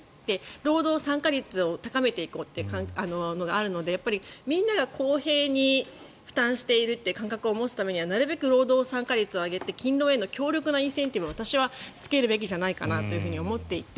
労働参加率を高めていこうというのがあるのでみんなが公平に負担しているって感覚を持つためにはなるべく労働参加率を上げて勤労への強力なインセンティブを私はつけるべきじゃないかなと思っていて。